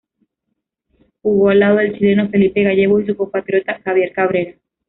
Jugó al lado del chileno Felipe Gallegos y su compatriota Javier Cabrera.